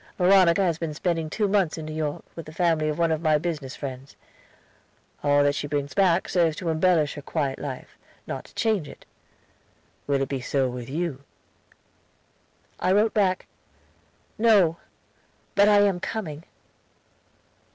Veronica has been spending two months in New York, with the family of one of my business friends. All that she brings back serves to embellish her quiet life, not to change it. Will it be so with you?" I wrote back, "No; but I am coming."